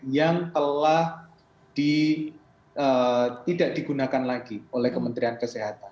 yang telah tidak digunakan lagi oleh kementerian kesehatan